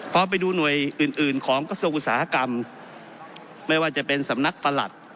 พอไปดูหน่วยอื่นอื่นของกระทรวงอุตสาหกรรมไม่ว่าจะเป็นสำนักประหลัด